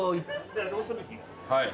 はい。